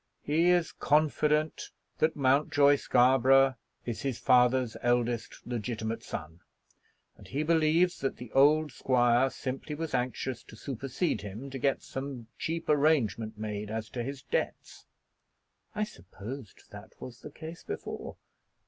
He is confident that Mountjoy Scarborough is his father's eldest legitimate son, and he believes that the old squire simply was anxious to supersede him to get some cheap arrangement made as to his debts." "I supposed that was the case before."